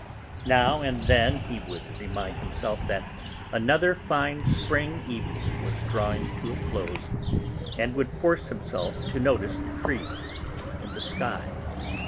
Now and then he would remind himself that another fine spring evening was drawing to a close, and would force himself to notice the trees and the sky.